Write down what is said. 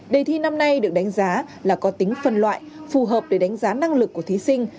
đề thi năm nay được đánh giá là có tính phân loại phù hợp để đánh giá năng lực của thí sinh